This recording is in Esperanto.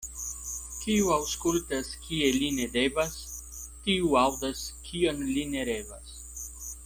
Kiu aŭskultas, kie li ne devas, tiu aŭdas, kion li ne revas.